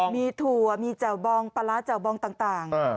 มีถั่วมีแจ่วบองปลาร้าแจ่วบองต่าง